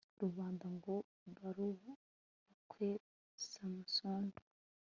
rubanda ngo barabukwe samusoni